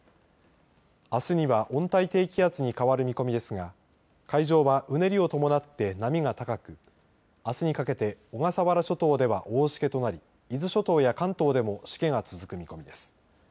あすには温帯低気圧に変わる見込みですが海上は、うねりを伴って波が高くあすにかけて小笠原諸島では大しけとなり伊豆諸島や関東でもしけが続く見込みです。